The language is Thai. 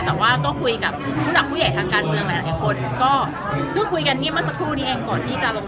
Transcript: แต่ว่าก็คุยกับผู้หลักผู้ใหญ่ทางการเมืองหลายคน